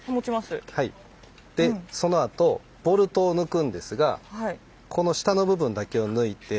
でそのあとボルトを抜くんですがこの下の部分だけを抜いて。